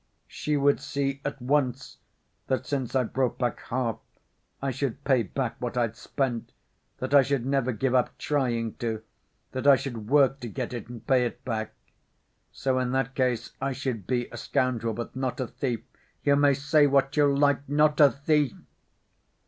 She would see at once that since I brought back half, I should pay back what I'd spent, that I should never give up trying to, that I should work to get it and pay it back. So in that case I should be a scoundrel, but not a thief, you may say what you like, not a thief!"